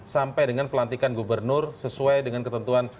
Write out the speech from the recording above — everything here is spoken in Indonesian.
sampai dengan pelantikan gubernur sesuai dengan ketentuan